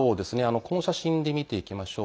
この写真で見ていきましょう。